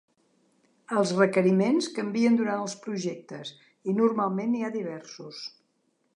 Els requeriments canvien durant els projectes i normalment n'hi ha diversos.